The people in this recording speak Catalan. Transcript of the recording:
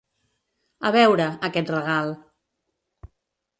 A veure, aquest regal.